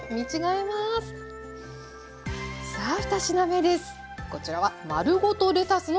さあ２品目です。